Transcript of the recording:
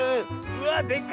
うわでか！